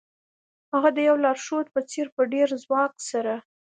هغه د یو لارښود په څیر په ډیر ځواک سره